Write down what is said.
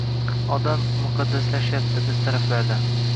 Odam muqaddaslashyapti biz taraflarda.